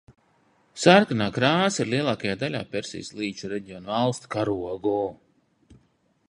Sarkanā krāsa ir lielākajā daļā Persijas līča reģiona valstu karogu.